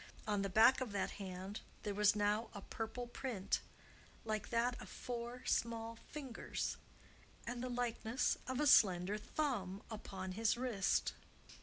On the back of that hand there was now a purple print like that of four small fingers, and the likeness of a slender thumb upon his wrist.